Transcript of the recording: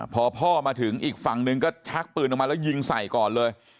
พอพ่อมาถึงอีกฝั่งหนึ่งก็ชักปืนออกมาแล้วยิงใส่ก่อนเลย